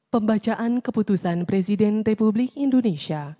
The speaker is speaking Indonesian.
pembacaan keputusan presiden republik indonesia